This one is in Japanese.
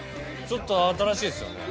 ちょっと新しいですよね。